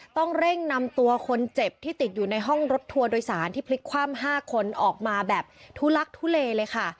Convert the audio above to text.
ต้องเร่งนำตัวคนเจ็บที่ติดอยู่ในห้องรถทัวร์โดยสารที่พลิกคว่ำ๕คนออกมาแบบทุลักทุเลเลยค่ะ